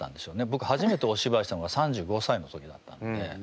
ぼく初めておしばいしたのが３５歳の時だったんで。